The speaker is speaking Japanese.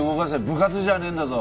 部活じゃねえんだぞ。